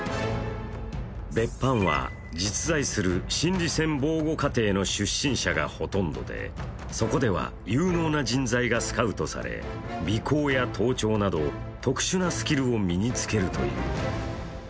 別班は、実在する心理戦防護課程の出身者がほとんどでそこでは有能な人材がスカウトされ尾行や盗聴など特殊なスキルを身につけるという。